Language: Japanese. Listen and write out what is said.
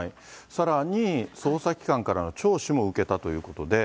さらに、捜査機関からの聴取もうけたということで。